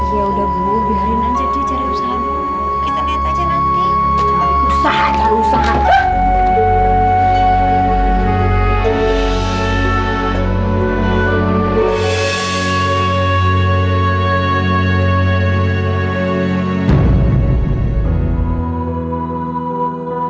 ya udah bu biarin aja dia cari usaha